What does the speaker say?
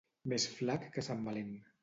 Més flac que sant Valent.